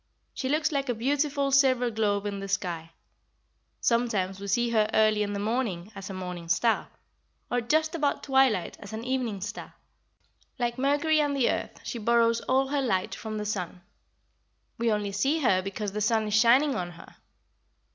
She looks like a beautiful silver globe in the sky. Sometimes we see her early in the morning as a morning star, or just about twilight as an evening star. Like Mercury and the earth, she borrows all her light from the sun. We only see her because the sun is shining on her.